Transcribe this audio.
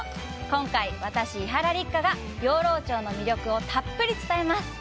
今回、わたし伊原六花が、養老町の魅力をたっぷり伝えます！